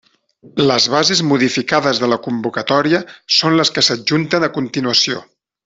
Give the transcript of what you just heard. Les bases modificades de la convocatòria són les que s'adjunten a continuació.